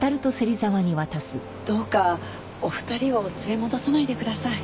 どうかお二人を連れ戻さないでください。